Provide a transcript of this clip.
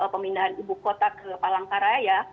pemindahan ibu kota ke palangkaraya